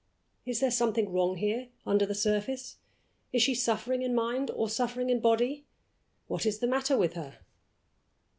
Is there something wrong here, under the surface? Is she suffering in mind, or suffering in body? What is the matter with her?